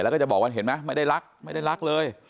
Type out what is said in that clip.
แล้วก็จะบอกว่าเห็นไหมไม่ได้รักไม่ได้รักเลย